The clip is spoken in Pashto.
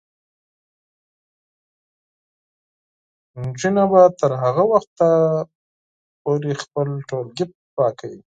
نجونې به تر هغه وخته پورې خپل ټولګي پاکوي.